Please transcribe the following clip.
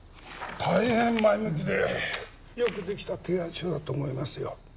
大変前向きでよくできた提案書だと思いますよ